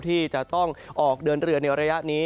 ที่จะต้องออกเดินเรือในระยะนี้